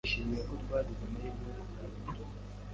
Nishimiye ko twagize amahirwe yo kuganira.